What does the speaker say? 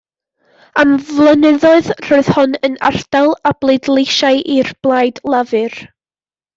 Am flynyddoedd, roedd hon yn ardal a bleidleisiai i'r Blaid Lafur.